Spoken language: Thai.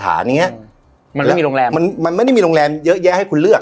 อย่างเงี้ยมันไม่มีโรงแรมมันมันไม่ได้มีโรงแรมเยอะแยะให้คุณเลือก